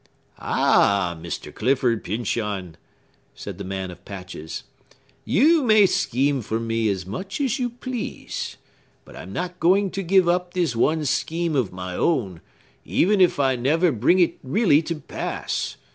"Ah, Mr. Clifford Pyncheon!" said the man of patches, "you may scheme for me as much as you please; but I'm not going to give up this one scheme of my own, even if I never bring it really to pass.